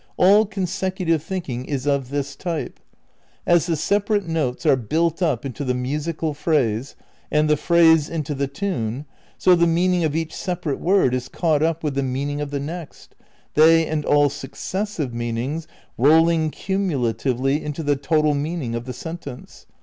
All consecutive thinking is of this type. As the separate notes are built up into the musical phrase, and the phrase into the tune, so the meaning of each separate word is caught up with the meaning of the next, they and all successive meanings rolling cumula tively into the total meaning of the sentence.